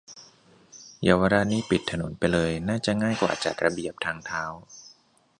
เยาวราชนี่ปิดถนนไปเลยน่าจะง่ายกว่าจัดระเบียบทางเท้า